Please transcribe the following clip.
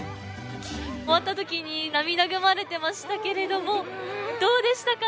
終わったときに涙ぐまれてましたけれども、どうでしたか？